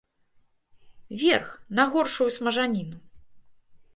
Верх, на горшую смажаніну.